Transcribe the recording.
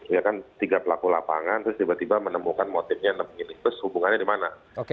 ya kan tiga pelaku lapangan terus tiba tiba menemukan motifnya enam unit bus hubungannya di mana